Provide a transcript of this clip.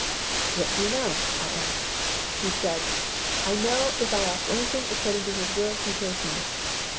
"What do you know?" I asked. He said, "I know if I ask anything according to His will He hears me."